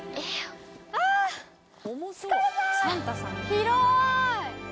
広い！